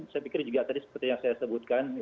saya pikir juga tadi seperti yang saya sebutkan